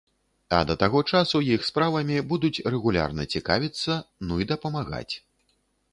А да таго часу іх справамі будуць рэгулярна цікавіцца, ну і дапамагаць.